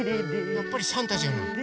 やっぱりサンタじゃない。